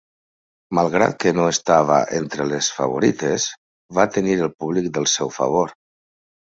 Malgrat que no estava entre les favorites, va tenir el públic del seu favor.